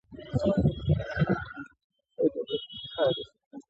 ستا کور کلي ملكيارو کې دی؟